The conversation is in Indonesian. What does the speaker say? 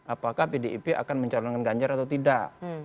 apakah pdip akan mencalonkan ganjar atau tidak